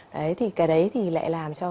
đấy thì cái đấy thì lại làm cho